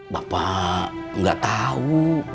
bapak gak tau